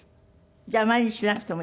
じゃあ毎日しなくてもいい？